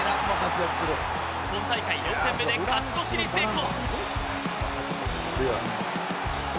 今大会４点目で勝ち越しに成功。